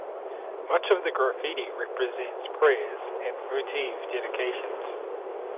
Much of the graffiti represents prayers and votive dedications.